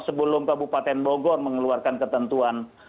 sebelum kabupaten bogor mengeluarkan ketentuan